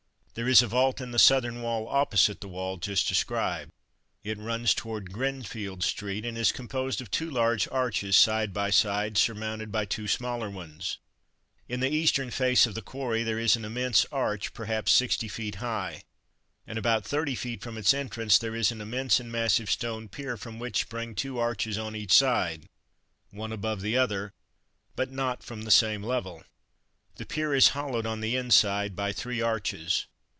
There is a vault in the southern wall opposite the wall just described. It runs towards Grinfield street, and is composed of two large arches side by side, surmounted by two smaller ones. In the eastern face of the quarry there is an immense arch perhaps sixty feet high; and about thirty feet from its entrance there is an immense and massive stone pier from which spring two arches on each side, one above the other, but not from the same level. The pier is hollowed on the inside by three arches.